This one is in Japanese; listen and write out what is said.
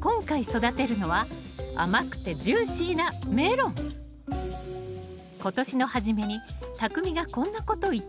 今回育てるのは甘くてジューシーな今年の初めにたくみがこんなこと言ってたわね